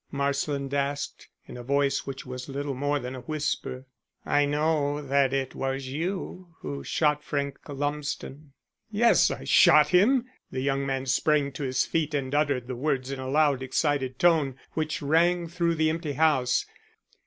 Marsland asked, in a voice which was little more than a whisper. "I know that it was you who shot Frank Lumsden." "Yes, I shot him!" The young man sprang to his feet and uttered the words in a loud, excited tone which rang through the empty house.